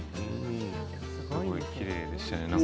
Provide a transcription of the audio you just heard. すごいきれいでしたね。